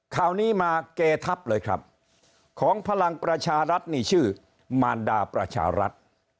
ข่าวนี้มาเกทับเลยครับของพลังประชารัฐนี่ชื่อมารดาประชารัฐ